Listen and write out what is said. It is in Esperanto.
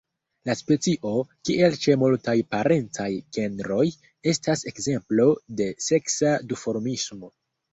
La specio, kiel ĉe multaj parencaj genroj, estas ekzemplo de seksa duformismo.